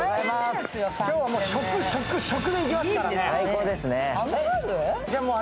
今日は食、食、食でいきますからね。